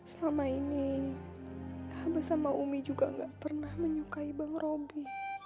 selama ini abang sama umi juga enggak pernah menyukai bang ramadhi